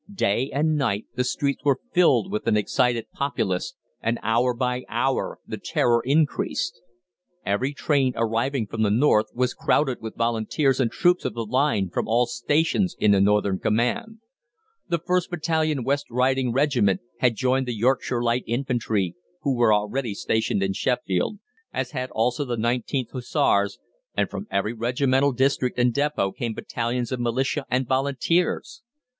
Day and night the streets were filled with an excited populace, and hour by hour the terror increased. Every train arriving from the North was crowded with Volunteers and troops of the line from all stations in the Northern Command. The 1st Battalion West Riding Regiment had joined the Yorkshire Light Infantry, who were already stationed in Sheffield, as had also the 19th Hussars, and from every regimental district and depôt came battalions of Militia and Volunteers.